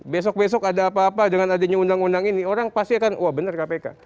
besok besok ada apa apa dengan adanya undang undang ini orang pasti akan wah bener kpk